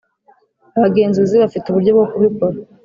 Abagenzuzi bafite uburyo bwo kubikora